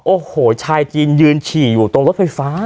โอ้โหชายจีนยืนฉี่อยู่ตรงรถไฟฟ้า